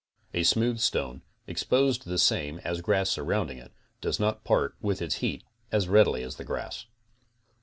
A smooth 'stone, exposed the same as grass surrounding it, does not part with its heat as readily as the grass.